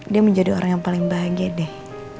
dia menjadi orang yang paling bahagia deh